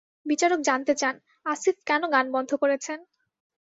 বিচারক জানতে চান, আসিফ কেন গান বন্ধ করেছেন?